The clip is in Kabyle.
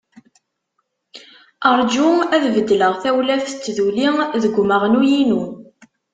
Rju ad beddleɣ tawlaft n tduli deg umaɣnu-inu.